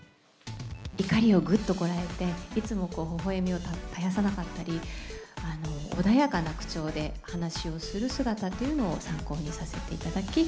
怒りをぐっとこらえて、いつもほほえみを絶やさなかったり、穏やかな口調で話をする姿というのを参考にさせていただき。